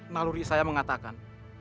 naluri saya mengatakan